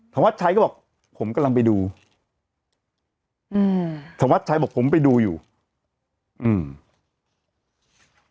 ธวัดชัยก็บอกผมกำลังไปดูอืมธวัดชัยบอกผมไปดูอยู่อืม